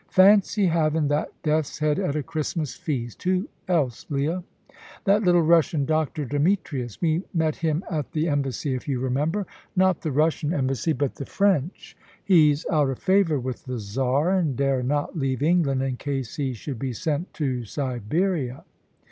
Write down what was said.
"Fancy havin' that death's head at a Christmas feast. Who else, Leah?" "That little Russian doctor, Demetrius. We met him at the Embassy, if you remember. Not the Russian Embassy, but the French. He's out of favour with the Czar, and dare not leave England in case he should be sent to Siberia."